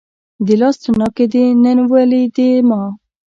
د لاس تڼاکې دې نن ولیدې ما